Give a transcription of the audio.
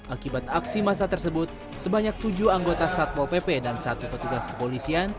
akibat aksi masa tersebut sebanyak tujuh anggota satpo pp dan satu petugas kepolisian